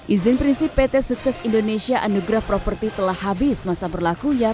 izin prinsip pt sukses indonesia anugrah properti telah habis masa berlakunya